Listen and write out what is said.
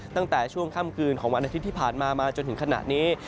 ตั้งแต่ช่วงค่ำคืนของวันอาทิตย์ที่ผ่านมามาจนถึงขณะนี้